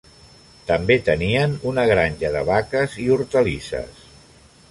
També tenien una granja de vaques i hortalisses.